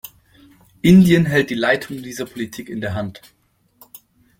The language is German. Indien hält die Leitung dieser Politik in der Hand.